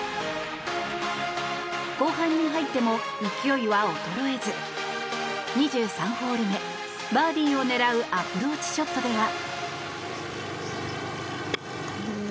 後半に入っても勢いは衰えず２３ホール目、バーディーを狙うアプローチショットでは。